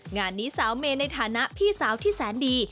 งานนี้สาวเมย์ในฐานะพี่สาวที่แสนดี